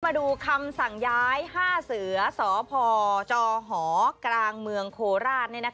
มาดูคำสั่งย้ายห้าเสือสพจหกเมโคราช